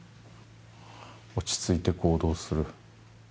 落ち着いて行動する。